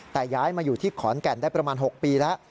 แต่ย้ายมาอยู่ที่ขอนแก่นได้ประมาณ๖ปีแล้ว